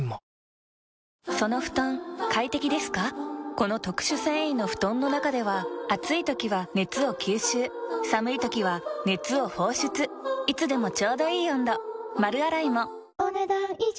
この特殊繊維の布団の中では暑い時は熱を吸収寒い時は熱を放出いつでもちょうどいい温度丸洗いもお、ねだん以上。